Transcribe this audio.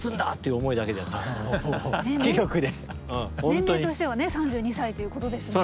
年齢としてはね３２歳ということですもんね。